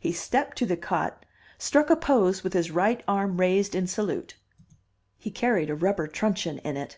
He stepped to the cot, struck a pose with his right arm raised in salute. He carried a rubber truncheon in it.